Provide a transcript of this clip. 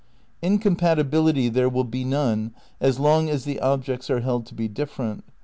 Incompatibility there will be none as long as the objects are held to be different.